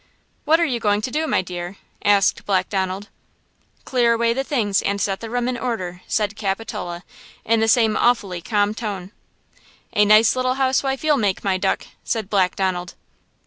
"What are you going to do, my dear?" asked Black Donald. "Clear away the things and set the room in order," said Capitola, in the same awfully calm tone. "A nice little housewife you'll make, my duck!" said Black Donald.